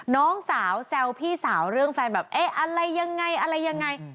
น้องสาวแซวพี่สาวเรื่องแฟนแบบเอ๊ะอะไรยังไงอะไรยังไง